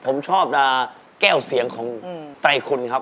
ผมชอบดาแก้วเสียงของไตรคุณครับ